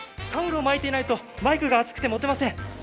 タオルを巻いていないとマイクが熱くて持てません。